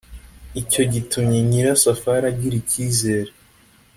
icyo gitumye nyirasafari agira icyizere.